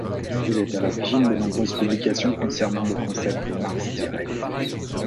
Il est à l'origine de nombreuses publications concernant le concept Mars Direct.